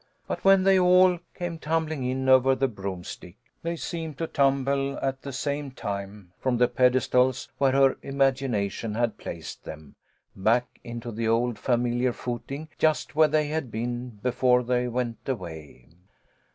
But when they all came tumbling in over the broomstick, they seemed to tumble at the same time from the pedestals where her imagination had placed them, back into the old familiar footing just where they had been before they went away.